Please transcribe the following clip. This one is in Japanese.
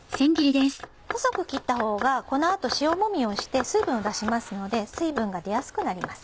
細く切ったほうがこの後塩もみをして水分を出しますので水分が出やすくなります。